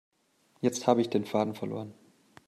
Jetzt habe ich den Faden verloren.